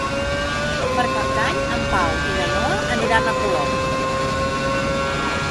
Per Cap d'Any en Pau i na Noa aniran a Polop.